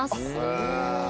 へえ。